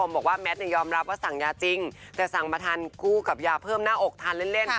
บอกว่าแมทยอมรับว่าสั่งยาจริงแต่สั่งมาทานคู่กับยาเพิ่มหน้าอกทานเล่น